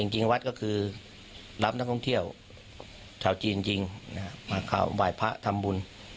จริงวัดก็คือรับนักท่องเที่ยวชาวจีนจริงมาไหว้พระทำบุญ